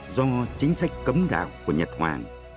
do chính sách cấm đạo của nhật hoàng